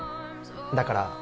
だから